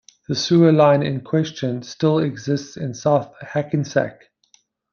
The sewer line in question still exists in South Hackensack.